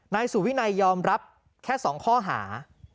นายสุวินัยยอมรับแค่๒ข้อหา